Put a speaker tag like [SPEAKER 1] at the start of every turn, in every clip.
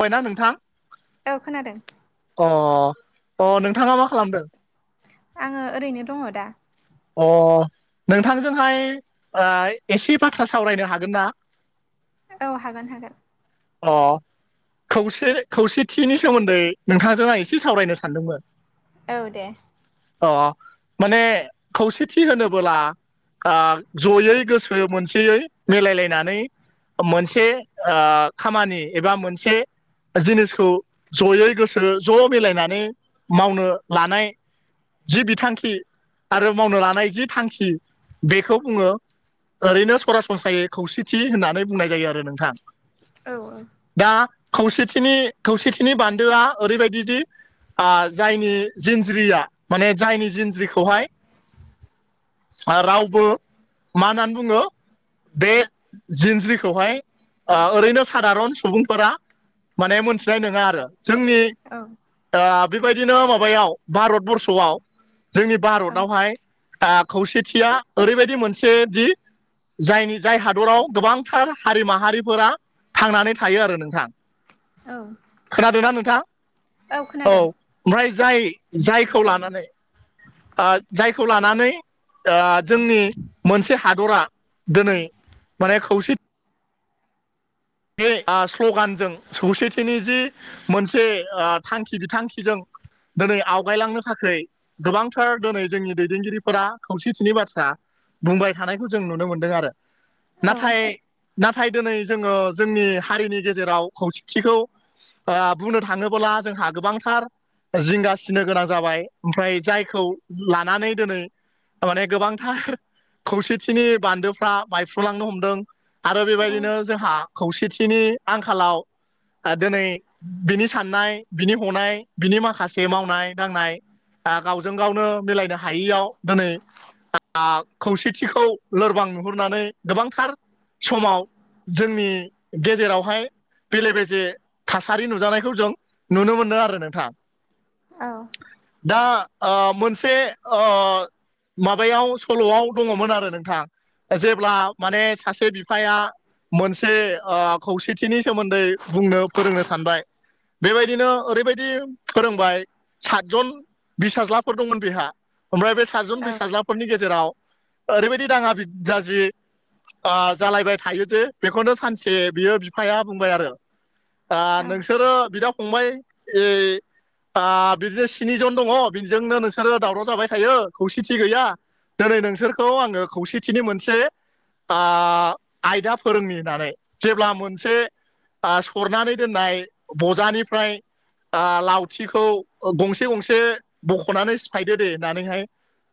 [SPEAKER 1] अय ना नोंथां
[SPEAKER 2] औ खोनादों।
[SPEAKER 1] अ अ नोंथाङा मा खालामदों?
[SPEAKER 2] आङो ओरैनो दङ दा
[SPEAKER 1] अ नोंथांजोंहाय ओ एसे बाथ्रा सावरायनो हागोन ना?
[SPEAKER 2] औ हागोन हागोन
[SPEAKER 1] अ खावसे खौसेथिनि सोमोन्दै नोंथांजों आं एसे सावरायनो सानदोंमोन
[SPEAKER 2] औ दे
[SPEAKER 1] अ माने खौसेथि होनोबोला आ ज'यै गोसो मोनसेयै मिलायलायनानै ओ मोनसे ओ खामानि एबा मोनसे ओ जिनिसखौ ज'यै गोसो ज' मिलायनानै मावनो लानाय जि बिथांखि आरो मावनो लानाय जि थांखि बेखौ बुङो ओरैनो सरासनस्रायै खौसेथि होननानै बुंनाय जायो आरो नोंथां।
[SPEAKER 2] औ ओ
[SPEAKER 1] दा खौसेथिनि खौसेथिनि बान्दोआ ओरैबायदि जि आ जायनि जिन्ज्रिया माने जायनि जिन्ज्रिखौहाय ओ रावबो मा होननानै बुङो बे जिनज्रिखौहाय ओ ओरैनो सादारन सुबुंफोरा माने मोनथिनाय नोङा आरो जोंनि
[SPEAKER 2] औ
[SPEAKER 1] ओ बेबायदिनो माबायाव भारतबर्षआव जोंनि
[SPEAKER 2] औ
[SPEAKER 1] भारतावहाय ओ खौसेथिया ओरैबायदि मोनसे दि जायनि जाय हादराव गोबांथार हारि माहारिफोरा थांनानै थायो आरो नोंथां
[SPEAKER 2] औ
[SPEAKER 1] खोनादों ना नोंथां औ ओमफ्राय जाय जायखौ लानानै ओ जाय खौ लानानै ओ जोंनि मोनसे हादरा दिनै माने खौसेथि बे स्ल'गानजों खौसेथिनि जि मोनसे थांखि बिथां थांखिजों दिनै आवगायलांनो थाखौय गोबांथार दिनै जोंनि दैदेनगिरिफोरा खौसेथिनि बाथ्रा बुंबाय थानायखौ जों नुनो मोनदों आरो
[SPEAKER 2] औ
[SPEAKER 1] नाथाय नाथाय दिनै जोङो जोंनि हारिनि गेजेराव खौसेथिखौ बुंनो थाङोब्ला जोंहा गोबांथार जिंगासिनो गोनां जाबाय ओमफ्राय जायखौ लानानै दिनै थार माने गोबांथार खौसेथिनि बान्दोफ्रा बायफ्रुलांनो हमदों आरो
[SPEAKER 2] औ
[SPEAKER 1] बेबायदिनो जोंहा खौसेथिनि आंखालाव आरो दिनै बिनि साननाय बिनि हनाय बिनि माखासे मावनाय- दांनाय गावजों -गावनो मिलायनो हायियाव दिनै खौसेथिखौ लोरबां नुहुरनानै गोबांथार समाव जोंनि गेजेरावहाय बेले -बेजे थासारि नुजानायखौ जों नुनो मोनदों आरो नोंथां।
[SPEAKER 2] औ
[SPEAKER 1] दा ओ मोनसेओ माबायाव सल'आव दङमोन आरो नोंथाङा जेब्ला माने सासे बिफाया मोनसे- खौसेथिनि सोमोन्दै बुंनो फोरोंनो सानबाय। बेबायदिनो ओरैबायदि फोरोंबाय सातजन बिसाज्लाफोर दंमोन बेहा ओमफ्राय बे सातजन बिसाज्लाफोर फोर नि गेजेराव ओरैबायदि दाङााजि, जालायबाय थायो जे बेखौनो सानसे ए बियो बिफाया बुंबाय आरो
[SPEAKER 2] औ
[SPEAKER 1] नोंसोरो बिदा फंबाय ए ओ बिदिनो स्नि जन दङ बिजोंनो नोंसोरो दावराव जाबाय थायो खौसेथि गैया दिनै नोंसोरखौ आङो खौसेथिनि मोनसे आयदा फोरोंनि होननानै। जेब्ला मोनसे सरनानै दोननाय बजानिफ्राय ओ लावथिखौ गंसे गंसे बख'नानै सिफायदो दे होननानैहाय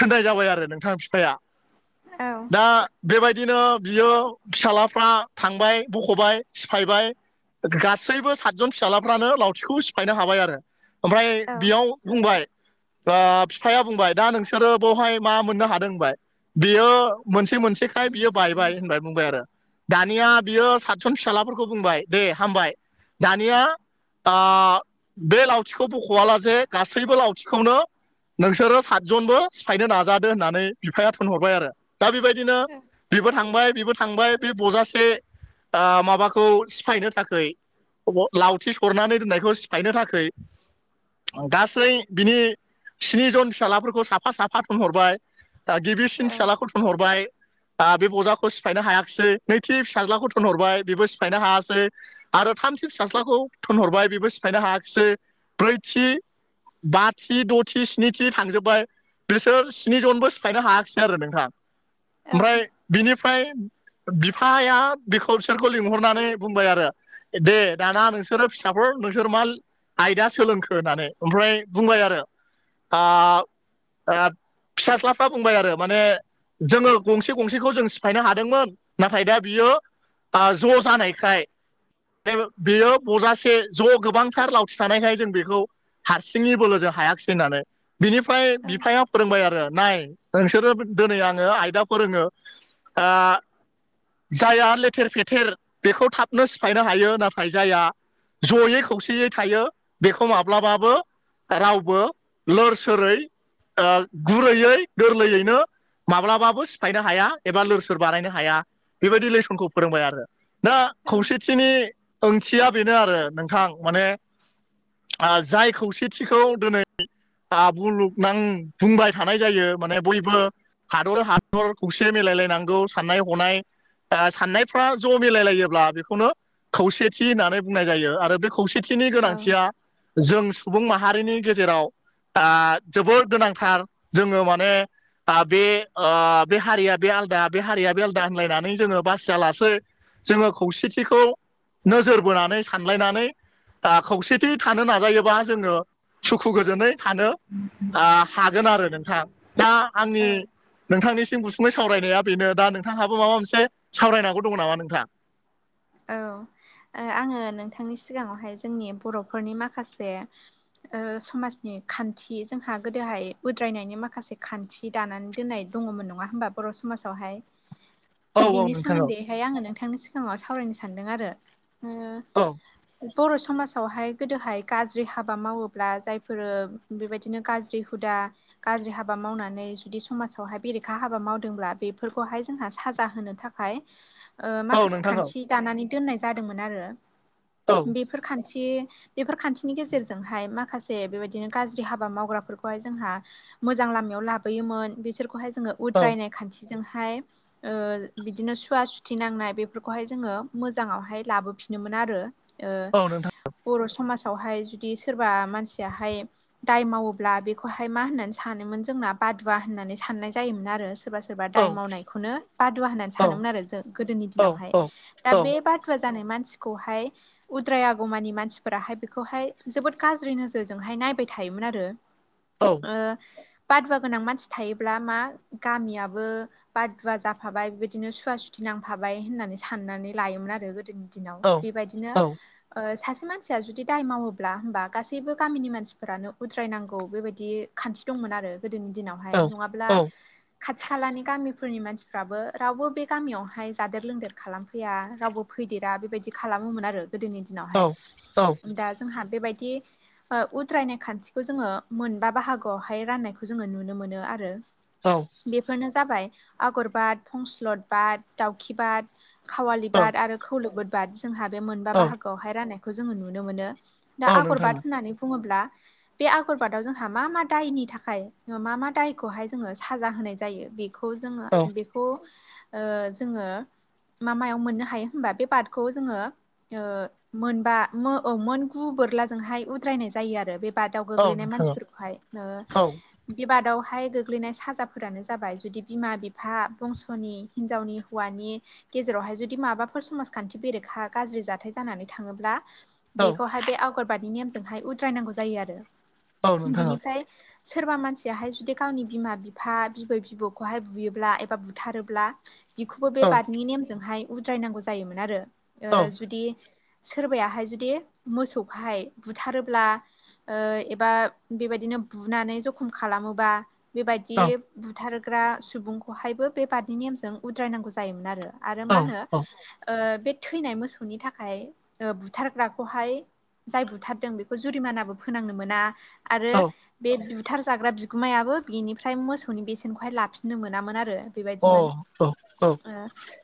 [SPEAKER 1] थोननाय जाबाय आरो नोंथां बिफाया
[SPEAKER 2] औ
[SPEAKER 1] ओ बेबायदिनो बियो फिसाजलाफ्रा थांबाय बख'बाय सिफायबाय गासैबो सातजन फिसाजलाफ्रानो लावथिखौ सिफायनो हाबाय आरो ओमफ्राय बेयाव बुंबाय ओ बिफाया बुंबाय दा नोंसोरो बेवहाय मा मोननो हादों होनबाय बियो मोनसे मोनसेखाय बियो बायबाय होननानै बुंबाय आरो दानिया बियो सातसन फिसााजलाफोरखौ बुंबाय दे हामबाय दानिया ओ बे लावथिखौ बख'वला जे गासैबो लावथिखौनो नोंसोरो सातजनबो सिफायनो नाजादो होननानै बिफाया थोनहरबाय आरो दा बेबायदिनो बेबो थांबाय बेबो थांबाय बे बजासे ओ माबाखौ सिफायनो थाखाय। लावथि सरनानै दोननायखौ सिफायनो थाखाय। गासै बिनि स्नि जन फिसााजलाफोरखौ साफा साफा थनहरबाय ओ गिबिसिन फिसााजलाखौथन हरबाय दा बे बजाखौ सिफायनो हायाखिसै नै नै थि फिसाज्लाखौ थोननहरबाय बेबो सिफायनो हायासै आरो थामथि फिसाज्लाखौ थिनहरबाय बेबो सिफायनो हायाखिसै ब्रैथि बाथि, दथि, स्निथि थांजोब्बाय बिसोर स्नि जनबो सिफायनो हायाखिसै। आरो नोंथाङां ओमफ्राय बिनिफ्राय बिफाया बिसोरखौ लिंहरनानै बुंबाय आरो दे दाना नोंसोरो फिसाफोर नोंसोर मा आयदा सोलोंखो होननानै ओमफ्राय बुंबाय आरो [unintelligible] फिसाज्लाफ्रा बुंबाय आरो माने जोङो गंसे गंसेखौ जों सिफायनो हादोंमोन नाथाय दा बियो ज' जानायखाय बेयो बजासे ज' गोबांथार लावथि थानायखाय जों बेखौ हारसिङै बोलोजों हायाखिसै होननानै बिनिफ्राय
[SPEAKER 2] औ
[SPEAKER 1] बिफाया फोरोंबाय आरो नाय नोंसोरो दिनै आङो आयदा फोरोङो ओ जायाया लेथेर फेथेर बेखौ थाबनो सिफायनो हायो नाथाय जायहा ज'यै खौसेयै थायो बेखौ माब्लाबाबो रावबो लोर सोरै ओ गुरैयै गोरलैयैनो माब्लाबाबो सिफायनो हाया एबा लोर सोर बानायनो हाया। बेबायदि लेसनखौ फोरोंबाय आरो दा
[SPEAKER 2] औ औ
[SPEAKER 1] खौसेथिनि ओंथिया बेनो आरो नोंथां माने जाय खौसेथिखौ दिनै [unintelligible] बुंबाय थानाय जायो माने बयबो हादर हादर खौसे मिलायलायनांगौ साननाय हनाय ओ साननायफ्रा ज' मिलायलायोब्ला बेखौनो खौसेथि होननानै बुंनाय जायो आरो बे खौसेथि नि गोनांथिया जों सुबुं माहारिनि गेजेराव आ जोबोर गोनांथार जोङो माने आ बे ओ बे हारिया बे आलदा बे हारिया बे आलदा होनलायना [unintelligible] बासिया लासै जोङो खौसेथिखौ नोजोर बोनानै सानलायनानै खौसेथि थानो नाजायोबा जोङो सुखु गोजोनै थानो ओ हागोन आरो नोंथां दा आंनि नोंथांनिसिम गुसुंङै सावरायनाया बेनो दा नोंथांहाबो माबा मोनसे सावरायनांगौ दङ नामा नोंथाङां?
[SPEAKER 2] औ आङो नोंथांनि सिगाङावहाय जोंनि बर'फोरनि माखासे ओ समाज खान्थि जोंहा गोदोहाय उद्रायनायनि माखासे खान्थि थि दानानै दोननाय दङमोन नङा होमबा बर' समाजावहाय
[SPEAKER 1] औ औ
[SPEAKER 2] बिनि
[SPEAKER 1] नोंथां औ
[SPEAKER 2] सोमोन्दैहाय आङो नोंथांनि सिगाङाव सावरायनो सानदों आरो
[SPEAKER 1] औ
[SPEAKER 2] बर' समाज फ्रावहाय गोदोहाय गाज्रि हाबा मावोब्ला जायफोरो बेबायदिनो गाज्रि हुदा गाज्रि हाबा मावनानै जुदि समाजावहाय बेरेखा हाबा मावदोंब्ला बेफोरखौहाय जोंहा साजा होनो थाखाय
[SPEAKER 1] औ
[SPEAKER 2] माखासे
[SPEAKER 1] नोंथां औ
[SPEAKER 2] खाथ्नि दानानै दोननाय जादोंमोन आरो बेफोर खान थि बेफोर खान्थिनि गेजेरजोंहाय माखासे बेबायदिनो गाज्रि हाबा मावग्राफोरखौहाय जोंहा मोजां लामायाव लाबोयोमोन बिसोरखौहाय जोङो
[SPEAKER 1] औ
[SPEAKER 2] उद्रायनाय खान्थिजोंहाय बिदिनो सुवा सुथि नांनाय बे खौहाय जोङो मोजाङावहाय लाबोफिनोमोन आरो
[SPEAKER 1] औ नोंथां
[SPEAKER 2] बर' समाजावहाय जुदि सोरबा मानसियाहाय दाय मावोब्ला बेखौहाय मा होननानै सानोमोन जोंना बादुवा होननानै साननाय जायोमोन आरो सोरबा सोरबा
[SPEAKER 1] औ
[SPEAKER 2] दाय मावनायखौनो बादुवा होननानै
[SPEAKER 1] औ
[SPEAKER 2] सानोमोन आरो जों गोदोनि
[SPEAKER 1] औ
[SPEAKER 2] दिनावहाय दा
[SPEAKER 1] औ
[SPEAKER 2] बे बादुवा जानाय मानसिखौहाय उद्रायागमानि मानसिफोराहाय बेखौहाय जोबोद गाज्रि नोजोरजोंहाय नायबाय थायोमोन आरो [inaudible]
[SPEAKER 1] औ
[SPEAKER 2] बादुवा गोनां मानसि थायोब्ला मा गामियाबो बादुवा जाफाबाय बिबायदिनो सुवा सुथि नांफाबाय होननानै साननानै लायोमोन आरो गोदोनि दिनाव
[SPEAKER 1] औ
[SPEAKER 2] बेबायदिनो सासे मानसिया जुदि दाय मावोब्ला होमबा गासैबो गामिनि मानसिफोरानो उद्रायनांगौ बेबायदि खान्थि दंमोन आरो गोदोनि दिनावहाय नङाब्ला खाथि खालानि गामिफोरनि मानसिफ्राबो रावबो बे गामियावहाय जादेर लोंदेर खालामफैया रावबो फैदेरा बेबायदि खालामोमोन आरो गोदोनि दिनावहाय दा जोंहा बेबायदि उद्रायनाय खान्थिखौ जोङो मोनबा बाहागोआवहाय राननायखौ जोङो नुनो मोनो आरो।
[SPEAKER 1] औ।
[SPEAKER 2] बेफोरनो जाबाय आगर बाद, फंस्लद बाद, दाउखि बाद, खावालि
[SPEAKER 1] औ
[SPEAKER 2] बाद, आरो खौलो बद, जोंहा बे मोनबा बाहागोआवहाय राननायखौ जोङो नुनो मोनो। दा
[SPEAKER 1] औ
[SPEAKER 2] आगर
[SPEAKER 1] नोंथां
[SPEAKER 2] बाद होननानै बुङोब्ला बे आगरबादाव जोंहा मा मा दायनि थाखाय मा मा दायखौहाय जोङो साजा होनाय जायो, बे खौ जोङो
[SPEAKER 1] औ
[SPEAKER 2] बेखौ जोङो। मा मायाव मोननो हायो होनबा बे बादखौ जोङो मोनबा औ मोन गु बोरलाजोंहाय उद्रायनाय जायो आरो बे बा दाव
[SPEAKER 1] औ
[SPEAKER 2] गोग्लैनाय
[SPEAKER 1] नोंथां
[SPEAKER 2] मानसिफोरखौहाय ओ
[SPEAKER 1] औ
[SPEAKER 2] बेबादावहाय गोग्लैनाय साजाफोरानो जाबाय जुदि बिमा बिफा बंस'नि हिनजावनि हौवानि गेजेरावहाय जुदि माबाफोर समाजखान्थि बेरेखा गाज्रि जाथाय जानानै थाङोब्ला।
[SPEAKER 1] औ
[SPEAKER 2] बेखौहाय बे आवगरबादनि नेमजोंहाय उद्रायनांगौ जायो आरो।
[SPEAKER 1] औ नोंथां
[SPEAKER 2] बिनिफ्राय सोरबा मानसियाहाय जुदि गावनि बिमा बिफा बिबै बिबौखौहाय बुयोब्ला एबा बुथारोब्ला बिखौबो बे
[SPEAKER 1] औ
[SPEAKER 2] बारादनि नेमजोंहाय उद्रायनांगौ जायोमोन आरो।
[SPEAKER 1] औ
[SPEAKER 2] ओ
[SPEAKER 1] अ औ
[SPEAKER 2] जुदि सोरबायाहाय जुदि मोसौखौहाय बुथारोब्ला ओ एबा बेबायदिनो बुनानै जखम खालामोबा बेबायदि बुथारग्रा सुबुंखौहायबो बे बारनि नेमजों उद्रायनांगौ जायोमोन आरो। आरो मा होनो
[SPEAKER 1] औ
[SPEAKER 2] बे थैनाय मोसौनि थाखाय बुथारग्राखौहाय जाय बुथारदों बेखौ जुरिमानाबो फोनांनो मोना आरो बे बुथार जाग्रा बि गुमायाबो बिनिफ्राय मोसौनि बेसेनखौहाय लाफिननो मोनामोन आरो बेबायदिमोन। ओ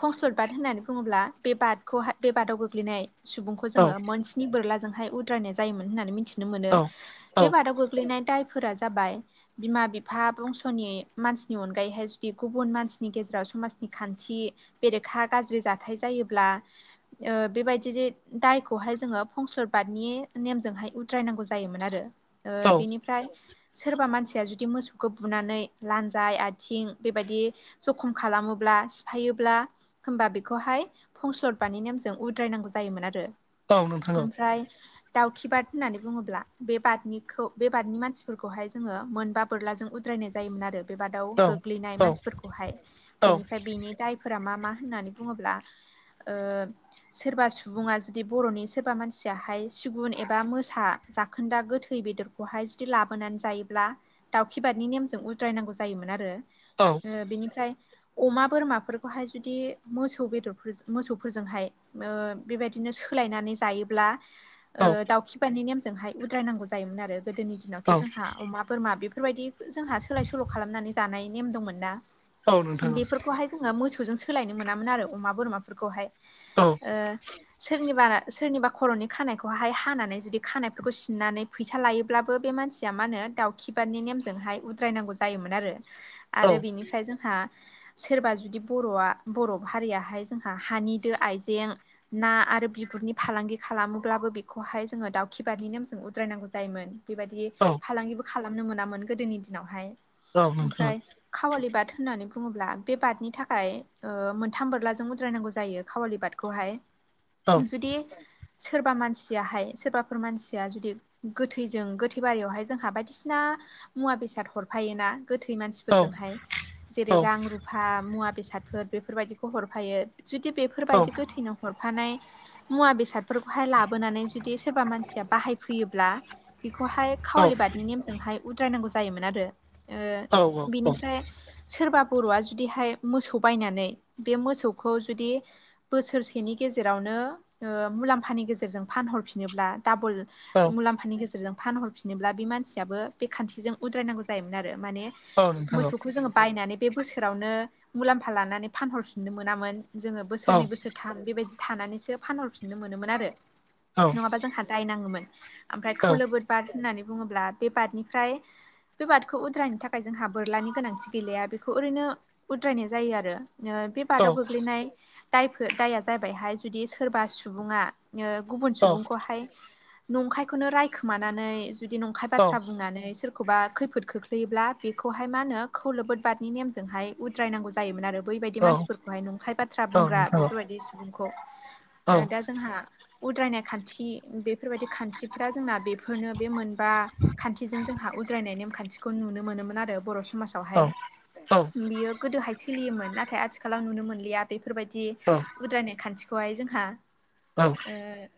[SPEAKER 2] फंस्लद बाद होननानै बुङोब्ला बे बादखौहाय बे बादाव गोग्लैनाय सुबुंखौ जोङो मोनस्नि बोरलाजोंहाय उद्रायनाय जायोमोन होननानै मिथि ननो मोनो।
[SPEAKER 1] औ
[SPEAKER 2] बे बादाव गोग्लैनाय दायफोरा जाबाय बिमा बिफा बंस'नि मानसिनि अनगायैहाय जुदि गुबुन मानसिनि गेजेराव समाज नि खान्थि बेरेखा गाज्रि जाथाय जायोब्ला बेबायदि दायखौहाय जोङो फंसलर बादनि नेमजोंहाय उद्रायनांगौ जायोमोन आरो।
[SPEAKER 1] औ
[SPEAKER 2] बेनिफ्राय सोरबा मानसिया जुदि मोसौ [unintelligible] बुनानै लजाय आथिं बेबादि जखम खालामो ब्ला सिफायोब्ला होमबा बेखौहाय फंस्लदबानि नेमजों उद्रायनांगौ जायोमोन आरो।
[SPEAKER 1] औ नोंथां
[SPEAKER 2] ओमफ्राय दाउखि बाद होननानै बुङोब्ला बे बादनिखौ बे बादनि मानसिफोरखौहाय जोङो मोनबा बोरलाजों उद्रायनाय जायोमोन आरो बेबादाव
[SPEAKER 1] औ
[SPEAKER 2] गोग्लैनाय मानसिफोरखौहाय बेनिफ्राय बिनि दायफोरा मा मा होननानै बुङोब्ला ओ सोरबा सुबुङा जुदि बर'नि सोरबा मानसियाहाय सिगुन एबा मोसा जाखोन्दा गोथै बेदरखौहाय जुदि लाबोनानै जायोब्ला दावखि बादनि नेमजों उद्रायनांगौ जायोमोन आरो।
[SPEAKER 1] औ।
[SPEAKER 2] बेनिफ्राय अमा बोरमाफोर खौहाय जुदि मोसौ बेदरफोर मोसौफोर जोंहाय बेबायदिनो सोलायनानै जायोब्ला
[SPEAKER 1] औ
[SPEAKER 2] ओ दाउखिबारानि नेमजोंहाय उद्रायनांगौ जायोमोन आरो गोदोनि दिनावथ'
[SPEAKER 1] औ
[SPEAKER 2] जोंहा अमा बोरमा बे फोरबायदि जोंहा सोलाय सोल' खालामनानै जानाय नेम दंमोन ना।
[SPEAKER 1] औ नोंथां
[SPEAKER 2] बेफोरखौहाय जोङो मोसौजों सोलायनो मोनामोन आरो अमा बोरमाफोरखौहाय
[SPEAKER 1] औ
[SPEAKER 2] ओ सोरनिबा सोरनिबा खर'नि खानायखौहहाय हानानै जुदि खानायफोरखौ सिननानै फैसा लायोब्ला बे मानसिया मा होनो दाउखि बारनि नेमजोंहाय उद्रायनांगौ जायोमोन आरो।
[SPEAKER 1] औ
[SPEAKER 2] आरो बिनिफ्राय जोंहा सोरबा जुदि बर'आ बर' हारियाहाय जोंहा हानिदो आइजें ना आरो बिगुरनि फालांगि खालामोब्लाबो बेखौहाय जोङो दाउखि बारनि नेम जों उद्रायनांगौ जायोमोन। बेबायदि
[SPEAKER 1] औ
[SPEAKER 2] फालांगिबो खालामनो मोनामोन गोदोनि दिनावहाय
[SPEAKER 1] औ नोंथां
[SPEAKER 2] ओमफ्राय खावालि बाद होननानै बुङोब्ला बे बादनि थाखाय मोनथाम बोरलाजों उद्रायनांगौ जायो खावालि बादखौहाय।
[SPEAKER 1] औ नोंथां औ
[SPEAKER 2] जुदि सोरबा मानसियाहाय सोरबाफोर मानसिया जुदि गोथैजों गोथै बारियावहाय जोंहा बायदिसिना मुवा बेसाद हरफायोोना गोथै मानसि फोरजोंहाय जेरै रां रुफा मुवा बेसादफोर बेफोरबायदिखौ हरफायो जुदि बेफोरबायदि गोथैनाव हरफानाय मुवा बेसादफोरखौहाय लाबोनानै जुदि सोरबा मानसिया बाहायफैयोब्ला बेखौहाय खावालि बादनि नेमजोंहाय उद्रायनांगौ जायोमोन आरो ओ
[SPEAKER 1] औ औ नोंथां
[SPEAKER 2] बिनिफ्राय सोरबा बर'आ जुदिहाय मोसौ बायनानै बे मोसौखौ जुदि बोसोरसेनि गेजेरावनो मुलाम्फानि गेजेरजों फानहरफिनोब्ला डाबोल मुलाम्फानि गेजेरजों फानहरफिनोब्ला बे मानसियाबो बे खान्थिजों उद्रायनांगौ जायोमोन आरो माने
[SPEAKER 1] औ
[SPEAKER 2] मोसौखौ जोङो बायनानै बे बोसोरावनो मुलाम्फा लानानै फानहरफिननो मोनामोन जोङो बोसोरनै बोसोर थाम बेबायदि थानानैसो फानहरफिननो मोनोमोन आरो।
[SPEAKER 1] औ
[SPEAKER 2] नङाबा जोंहा दाय नाङोमोन ओमफ्राय खौलोबोद बाद होननानै बुङोब्ला बे बादनिफ्राय बे बादखौ उद्रायानि थाखाय जोंहा बोरलानि गोनांथि गैेलाया बेखौ ओरैनो उद्रायनाय जायो आरो। ओ बे बादाव गोग्लैनाय दायफो दाया जाबायहाय जुदि सोरबा सुबुङा गुबुन सुबुंखौहाय नंखायखौनो रायखोमानानै जुदि नंखाय बाथ्रा बुंनानै सोर एबा खैफोद खोख्लैयोब्ला बेखौहाय मा होनो खौलोबोद बादनि नेमजोंहाय उद द्रायनांगौ जायोमोन आरो बैबायदि मानसिफोरखौहाय नंखाय बाथ्रा बुंग्रा बेफोरबायदि सुबुंखौ। ओ दा जोंहा उद्रायनाय खान्थि बेफोरबायाददि खान्थिफोरा जोंना बे - बेफोरनो बे मोनबा खान्थिजों जोंहा उद्रायनाय नेमखान्थिखौ नुनो मोनोमोन आरो बर' समाज आवहाय बियो गोदोहाय सोलियोमोन नाथाय आथिखालाव नुनो मोनलिया। बेफोरबायदि उद्रायनाय खान्थिखौहाय जोंहा।
[SPEAKER 1] औ
[SPEAKER 2] ओ